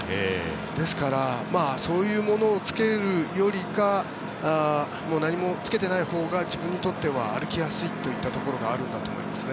ですからそういうものをつけるよりかは何もつけていないほうが自分にとっては歩きやすいといったところがあるんでしょうね。